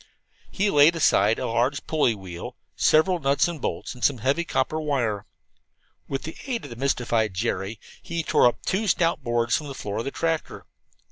He had laid aside a large pulley wheel, several nuts and bolts and some heavy copper wire. With the aid of the mystified Jerry he tore two stout boards up from the floor of the tractor.